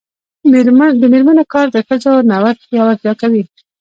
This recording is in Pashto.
د میرمنو کار د ښځو نوښت پیاوړتیا کوي.